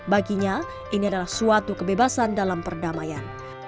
baginya ini adalah suatu kebebasan dalam perdamaian